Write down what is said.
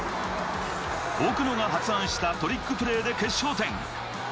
奥野が発案したトリックプレーで決勝点。